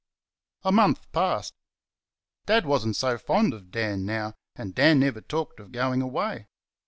A month passed. Dad was n't so fond of Dan now, and Dan never talked of going away.